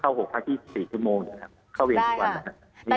เข้า๖พัก๒๔ชั่วโมงอยู่ครับได้ค่ะเข้าเวรทุกวัน